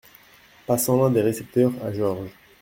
Passant l’un des récepteurs à Georges.